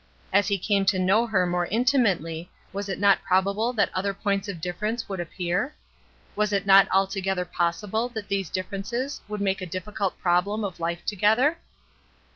As he came to know her more intimately was it not probable that other points of difference would appear? Was it not altogether possible that these differences would make a difficult problem of life together